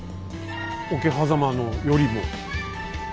桶狭間のよりも？